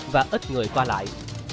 và ít người qua lại